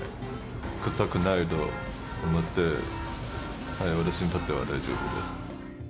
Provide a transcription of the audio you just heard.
臭くないと思って、私にとっては大丈夫です。